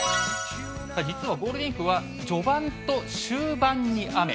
実はゴールデンウィークは、序盤と終盤に雨。